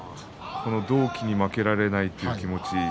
同期に負けられないという気持ち